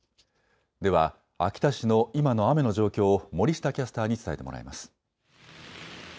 では秋田市の今の雨の状況を森下キャスターに伝えてもらいます。